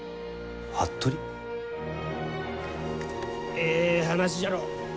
ええ話じゃろう。